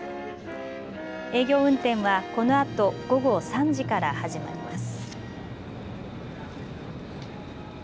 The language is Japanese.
営業運転はこのあと午後３時から始まります。